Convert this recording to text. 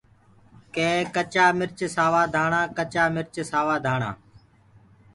ڪي ڪچآ مرچ سآوآ ڌآڻآ ڪچآ مرچ سوآ ڌآڻآ۔